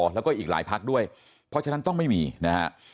แล้วก็อีกหลายพักด้วยเพราะฉะนั้นต้องไม่มีนะฮะ